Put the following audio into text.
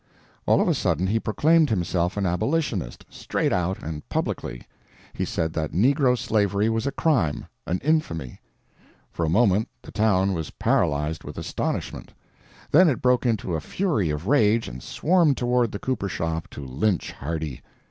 All of a sudden he proclaimed himself an abolitionist—straight out and publicly! He said that negro slavery was a crime, an infamy. For a moment the town was paralyzed with astonishment; then it broke into a fury of rage and swarmed toward the cooper shop to lynch Hardy.